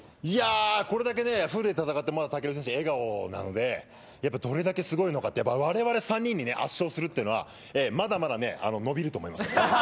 これだけ戦ってまだ武尊選手笑顔なんで、どれだけすごいのか、我々３人に圧勝するというのはまだまだ伸びると思います。